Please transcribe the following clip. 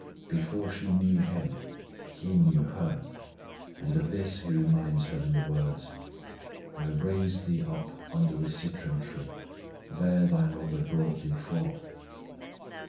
Before she knew Him, He knew her; and of this He reminds her in the words: I raised thee up under the citron tree; There thy mother brought thee forth.